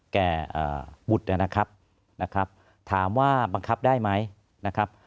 แก่บุตรนะครับนะครับถามว่าบังคับได้ไหมนะครับ